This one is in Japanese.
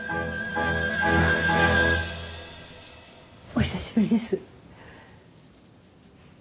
お久しぶりです。